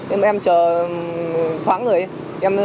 em chờ khoảng rồi ấy